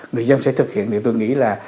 người dân sẽ thực hiện điều tôi nghĩ là